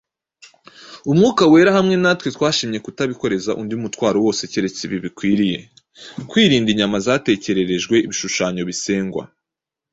Umwuka Wera hamwe natwe twashimye kutabikoreza undi mutwaro wose keretse ibi bikwiriye: kwirinda inyama zaterekerejwe ibishushanyo bisengwa,